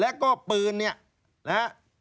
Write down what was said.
แล้วก็ปืนเนี่ยนะฮะ